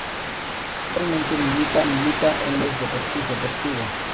Actualmente milita en el Linares Deportivo.